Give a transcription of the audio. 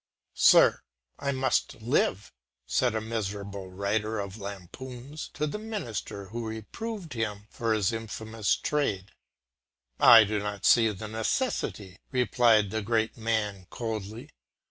"Sir, I must live," said a miserable writer of lampoons to the minister who reproved him for his infamous trade. "I do not see the necessity," replied the great man coldly.